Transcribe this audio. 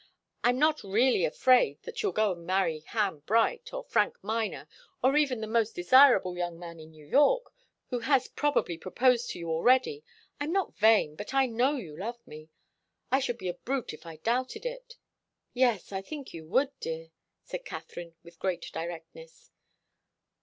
I'm not really afraid that you'll go and marry Ham Bright, or Frank Miner, nor even the most desirable young man in New York, who has probably proposed to you already. I'm not vain, but I know you love me. I should be a brute if I doubted it " "Yes I think you would, dear," said Katharine, with great directness.